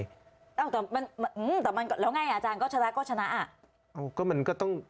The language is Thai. แล้วไงอาจารย์ก็ชนะก็ชนะ